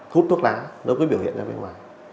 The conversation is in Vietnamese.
thuốc thuốc lá nó cứ biểu hiện ra bên ngoài